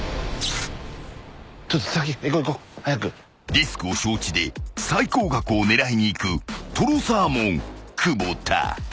［リスクを承知で最高額を狙いにいくとろサーモン久保田］